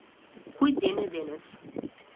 Кој ден е денес?